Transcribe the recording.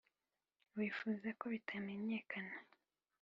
wifuza ko bitamenyekana